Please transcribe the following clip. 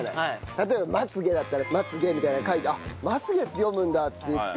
例えば「睫毛」だったら睫毛みたいなのを書いてあっ「まつげ」って読むんだっていって読むじゃん。